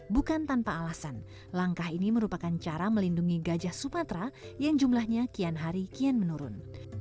bukan tanpa alasan langkah ini merupakan cara melindungi gajah sumatera yang jumlahnya kian hari kian menurun